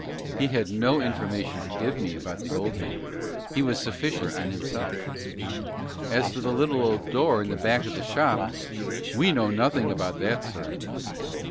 He had no information to give me about the old man he was sufficient in himself. As to the little old door in the back of the shop, "We know nothing about that, sir."